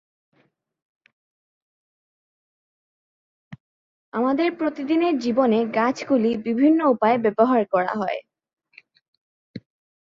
আমাদের প্রতিদিনের জীবনে গাছগুলি বিভিন্ন উপায়ে ব্যবহার করা হয়।